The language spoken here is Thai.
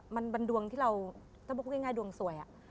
มันเป็นดวงที่เราถ้าพูดง่ายดวงสวย